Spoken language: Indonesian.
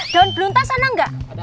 daun beluntas sana enggak